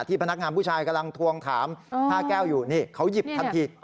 พนักงานผู้ชายกำลังทวงถาม๕แก้วอยู่นี่เขาหยิบทันที